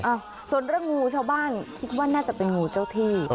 ส่วนเรื่องงูชาวบ้านคิดว่าน่าจะเป็นงูเจ้าที่